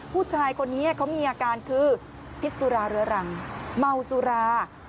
ผู้ชายคนนี้เขามีอาการคือพิษสุราเรื้อรังเมาสุรา